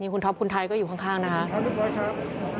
คุณท็อปคุณไทยก็อยู่ข้างนะคะ